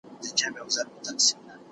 ګرجي عسکرو د خلکو پر ناموس تېری کاوه.